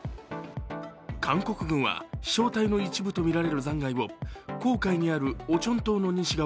韓国軍は飛翔体の一部とみられる残骸を黄海にあるオチョン島の西側